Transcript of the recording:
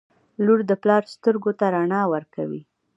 • لور د پلار سترګو ته رڼا ورکوي.